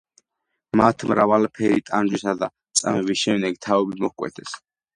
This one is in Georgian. მათ მრავალფერი ტანჯვისა და წამების შემდეგ თავები მოჰკვეთეს.